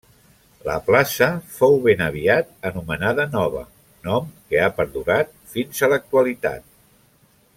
La plaça fou ben aviat anomenada Nova, nom que ha perdurat fins a l’actualitat.